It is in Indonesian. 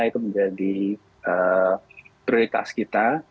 itu menjadi prioritas kita